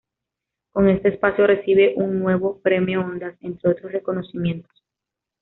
Con este espacio recibe un nuevo Premio Ondas, entre otros reconocimientos.